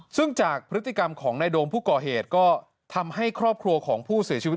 ซึ่งจากพฤติกรรมของนายโดมผู้ก่อเหตุก็ทำให้ครอบครัวของผู้เสียชีวิต